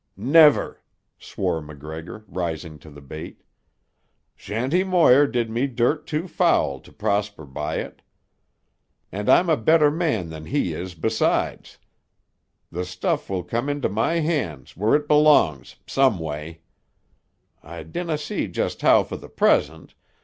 "Never!" swore MacGregor, rising to the bait. "Shanty Moir did me dirt too foul to prosper by it, and I'm a better man than he is, besides. The stuff will come into my hands, where it belongs, some way. I dinna see just how for the present.